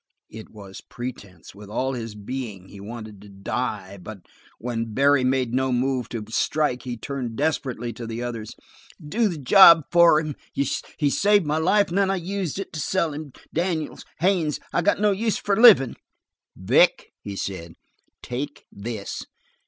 It was pretense; with all his being he wanted to die, but when Barry made no move to strike he turned desperately to the others. "Do the job for him. He saved my life and then I used it to sell him. Daniels, Haines, I got no use for livin'." "Vic," he said, "take this!